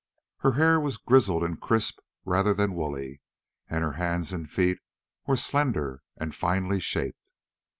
Her hair was grizzled and crisp rather than woolly, and her hands and feet were slender and finely shaped.